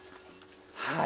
はい。